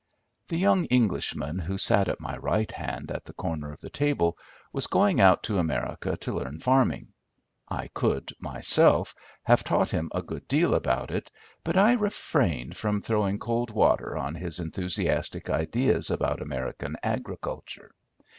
The young Englishman who sat at my right hand at the corner of the table was going out to America to learn farming. I could, myself, have taught him a good deal about it, but I refrained from throwing cold water on his enthusiastic ideas about American agriculture.